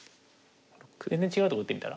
全然違うとこ打ってみたら？